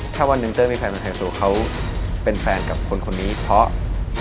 ถ้าวันหนึ่งเตอร์มีแฟนเป็นไทยโสเขาเป็นแฟนกับคนนี้เพราะ